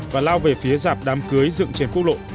và lao về phía dạp đám cưới dựng trên quốc lộ